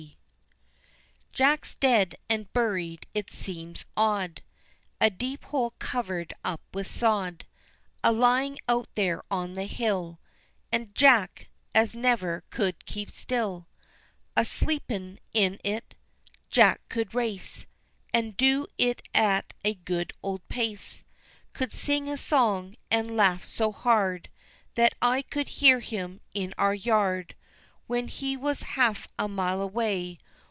Jack Jack's dead an' buried, it seems odd, A deep hole covered up with sod A lyin' out there on the hill, An' Jack, as never could keep still, A sleepin' in it. Jack could race, And do it at a good old pace, Could sing a song, an' laugh so hard That I could hear him in our yard When he was half a mile away.